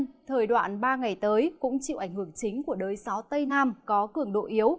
trong thời đoạn ba ngày tới cũng chịu ảnh hưởng chính của đới gió tây nam có cường độ yếu